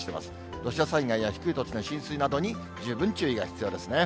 土砂災害や低い土地の浸水などに、十分注意が必要ですね。